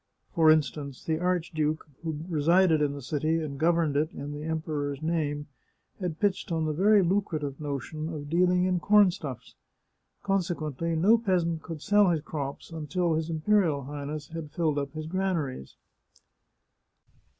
For instance, the arch duke, who resided in the city and governed it in the Em peror's name, had pitched on the very lucrative notion of dealing in corn stuffs. Consequently, no peasant could sell his crops until his Imperial Highness had filled up his granaries.